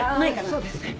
あぁそうですね。